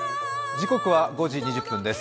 時刻は５時２０分です。